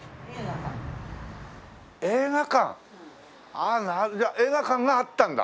ああじゃあ映画館があったんだ。